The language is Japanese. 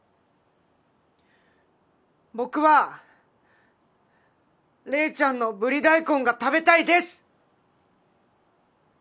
僕は麗ちゃんのブリ大根が食べたいです！